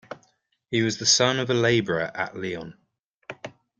He was the son of a laborer at Lyon.